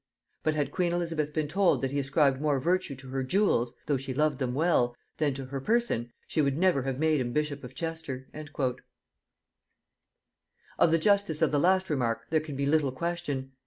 But had queen Elizabeth been told that he ascribed more virtue to her jewels (though she loved them well) than to her person, she would never have made him bishop of Chester." Of the justice of the last remark there can be little question.